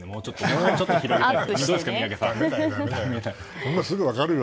もうちょっと広げたい。